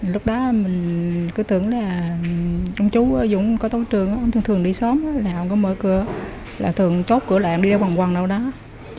lúc đó mình cứ tưởng là ông chú dũng có tốt trường thường đi xóm là không có mở cửa là thường chốt cửa lại không đi đâu bằng quần đâu đó